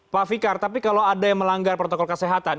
pak fikar tapi kalau ada yang melanggar protokol kesehatan